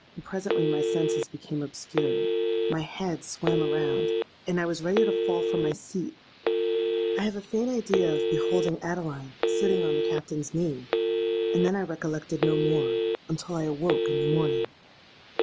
But presently my senses became obscured; my head swam round; and I was ready to fall from my seat. I have a faint idea of beholding Adeline sitting on the Captain's knee; and then I recollected no more, until I awoke in the morning!